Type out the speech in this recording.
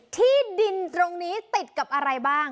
ที่ดินตรงนี้ติดกับอะไรบ้าง